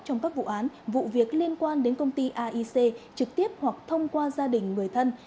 trong các vụ án vụ việc liên quan đến công ty aic trực tiếp hoặc thông qua gia đình người thân